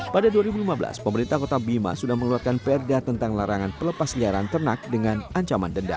pada dua ribu lima belas pemerintah kota bima sudah mengeluarkan perda tentang larangan pelepas liaran ternak dengan ancaman denda